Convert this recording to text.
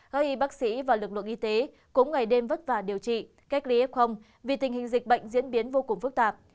gây bác sĩ và lực lượng y tế cũng ngày đêm vất vả điều trị cách lý ép không vì tình hình dịch bệnh diễn biến vô cùng phức tạp